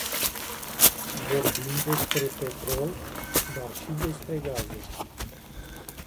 Vorbim despre petrol, dar și despre gaze.